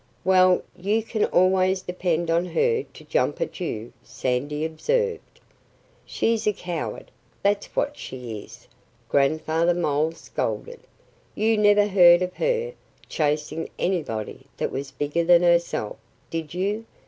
"Well, you can always depend on her to jump at you," Sandy observed. "She's a coward that's what she is," Grandfather Mole scolded. "You never heard of her chasing anybody that was bigger than herself, did you?